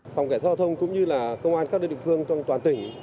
phòng kẻ giao thông cũng như là công an các địa phương toàn tỉnh